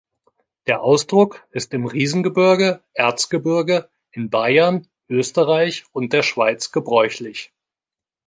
Der Ausdruck ist im Riesengebirge, Erzgebirge, in Bayern, Österreich und der Schweiz gebräuchlich.